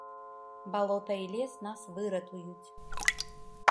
Балота і лес нас выратуюць.